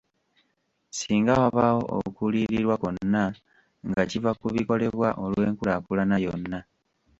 Singa wabaawo okuliyirirwa kwonna nga kiva kubikolebwa olwenkulaakulana yonna.